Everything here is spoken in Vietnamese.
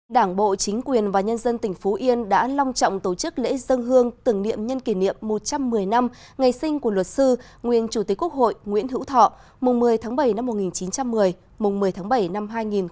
đảng bộ chính quyền và nhân dân tỉnh phú yên đã long trọng tổ chức lễ dân hương tưởng niệm nhân kỷ niệm một trăm một mươi năm ngày sinh của luật sư nguyên chủ tịch quốc hội nguyễn hữu thọ mùng một mươi tháng bảy năm một nghìn chín trăm một mươi mùng một mươi tháng bảy năm hai nghìn hai mươi